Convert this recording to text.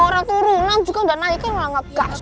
orang turunan juga udah naik kan udah ngegas